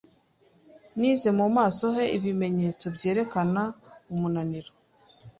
Nize mu maso he ibimenyetso byerekana umunaniro.